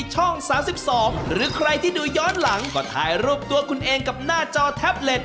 ช่อง๓๒หรือใครที่ดูย้อนหลังก็ถ่ายรูปตัวคุณเองกับหน้าจอแท็บเล็ต